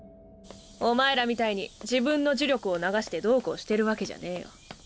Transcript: お前らみたいに自分の呪力を流してどうこうしてるわけじゃねぇよ。